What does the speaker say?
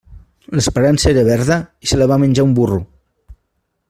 L'esperança era verda i se la va menjar un burro.